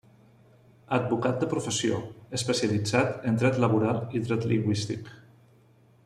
Advocat de professió, especialitzat en dret laboral i dret lingüístic.